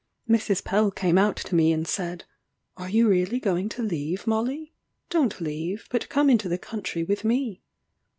Mrs. Pell came out to me, and said, "Are you really going to leave, Molly? Don't leave, but come into the country with me."